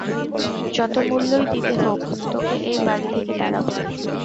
যতো মূল্যই দিতে হোক তোকে এই বাড়ি থেকে তাড়াবো।